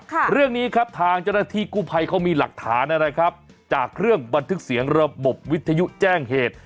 เรื่องนี้ครับทางเจ้าหน้าที่กู้ภัยเขามีหลักฐานอะไรครับจากเครื่องบันทึกเสียงระบบวิทยุแจ้งเหตุ